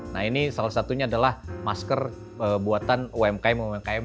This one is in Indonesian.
nah ini salah satunya adalah masker buatan umkm umkm